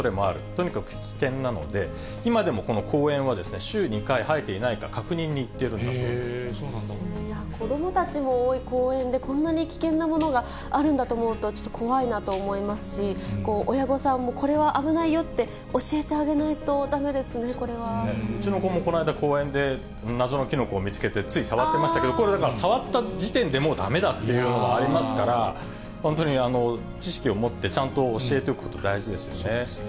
とにかく危険なので、今でもこの公園は週２回、生えていないか確子どもたちも多い公園で、こんなに危険なものがあるんだと思うと、ちょっと怖いなと思いますし、親御さんもこれは危ないよって教えてあげないとだめですね、これは。うちの子もこの間、公園で謎のキノコを見つけて、つい触ってましたけど、これだから、触った時点でもうだめだっていうものもありますから、本当に知識を持って、ちゃんと教えておくって大事ですよね。